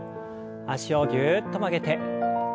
脚をぎゅっと曲げて。